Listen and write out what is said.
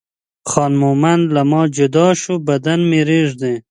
خان مومن له ما جدا شو بدن مې رېږدي.